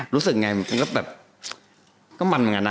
รู้สึกไงมันก็แบบก็มันเหมือนกันนะ